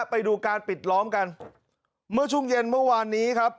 ไปดูการปิดล้อมกันเมื่อช่วงเย็นเมื่อวานนี้ครับ